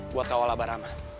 buat kawala barama